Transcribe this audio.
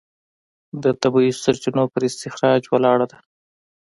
د طبیعي سرچینو پر استخراج ولاړه ده.